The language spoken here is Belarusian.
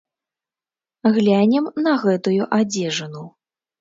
Глянем на гэтую адзежыну.